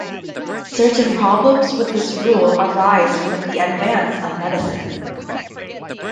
Certain problems with this rule arise from the advance of medicine.